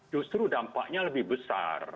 justru dampaknya lebih besar